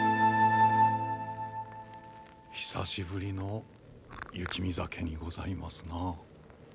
久しぶりの雪見酒にございますなあ。